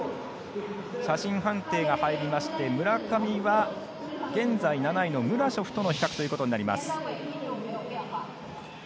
写真判定が入りまして村上は現在７位のムラショフとの比較となります。